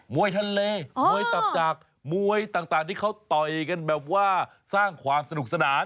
วยทะเลมวยตับจากมวยต่างที่เขาต่อยกันแบบว่าสร้างความสนุกสนาน